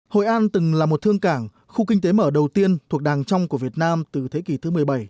hội an từng là một thương cảng khu kinh tế mở đầu tiên thuộc đàng trong của việt nam từ thế kỷ thứ một mươi bảy